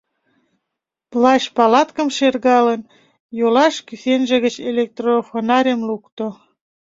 Плащ-палаткым шергалын, йолаш кӱсенже гыч электрофонарьым лукто.